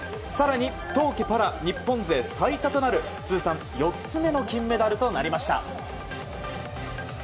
更に冬季パラ日本勢最多となる通算４つ目の金メダルとなりました。